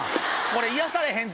これ癒やされへん！